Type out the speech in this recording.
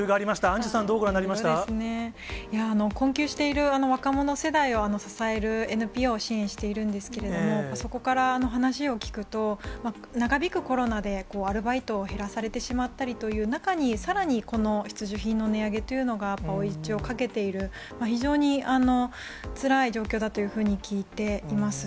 アンジュさん、どうご覧になりまそうですね、困窮している若者世代を支えるＮＰＯを支援しているんですけれども、そこから話を聞くと、長引くコロナで、アルバイトを減らされてしまったりという中に、さらに、この必需品の値上げというのが追い打ちをかけている、非常につらい状況だというふうに聞いています。